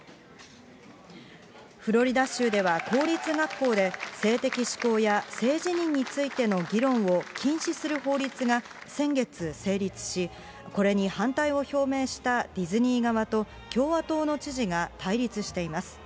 フロリダ州では公立学校で、性的指向や性自認についての議論を禁止する法律が先月成立し、これに反対を表明したディズニー側と、共和党の知事が対立しています。